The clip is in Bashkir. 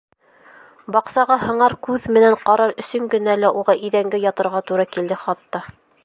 Баҡсаға һыңар күҙ менән ҡарар өсөн генә лә уға иҙәнгә ятырға тура килде хатта.